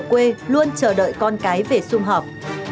tết ở quê luôn chờ đợi con cái về xung họp